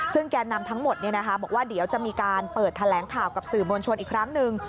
ซึ่งแก่นำทั้งหมดบอกว่าเดี๋ยวจะมีการเปิดแถลงข่าวกับสื่อมวลชนอีกครั้งหนึ่ง